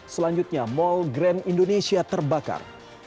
selanjutnya mall grand indonesia terbakar